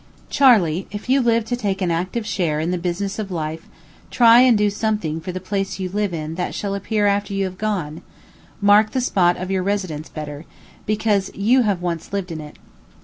Charley, if you live to take an active share in the business of life, try and do something for the place you live in that shall appear after you have gone; make the spot of your residence better, because you have once lived in it.